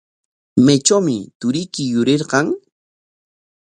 ¿Maytrawmi turiyki yurirqan?